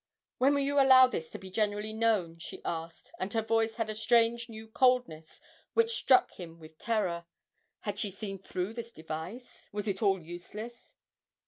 'When will you allow this to be generally known?' she asked, and her voice had a strange new coldness which struck him with terror. Had she seen through his device? Was it all useless?